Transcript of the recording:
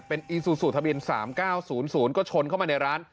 เป็นอีซูซูทะเบียน๓๙๐๐ก็ชนเข้ามาในร้าน